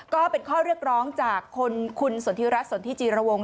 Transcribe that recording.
ก็เป็นข้อเรียกร้องจากคนคุณสศพิรัชสศพิจิรวงิ์